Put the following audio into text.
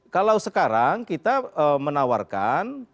kalau sekarang kita menawarkan